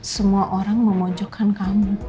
semua orang memojokkan kamu